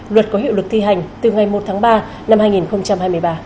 luật có hiệu lực thi hành từ ngày một tháng ba năm hai nghìn hai mươi ba